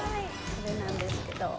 これなんですけど。